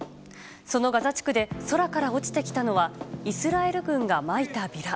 そのガザ地区で空から落ちてきたのはイスラエル軍がまいたビラ。